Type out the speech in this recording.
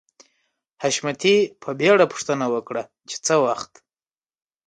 حشمتي په بېړه پوښتنه وکړه چې څه وخت